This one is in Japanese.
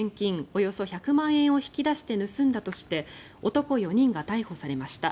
およそ１００万円を盗んだとして男４人が逮捕されました。